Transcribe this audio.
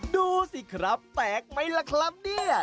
ดูสิครับแตกไหมล่ะครับเนี่ย